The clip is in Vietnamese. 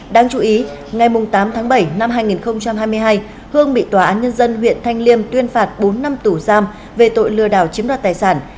đáng chú ý ngày tám tháng bảy năm hai nghìn hai mươi hai hương bị tòa án nhân dân huyện thanh liêm tuyên phạt bốn năm tù giam về tội lừa đảo chiếm đoạt tài sản